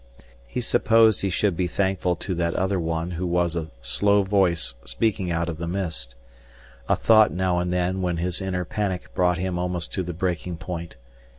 He supposed he should be thankful to that other one who was a slow voice speaking out of the mist, a thought now and then when his inner panic brought him almost to the breaking point.